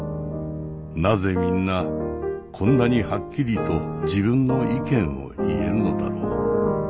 なぜみんなこんなにはっきりと自分の意見を言えるのだろう。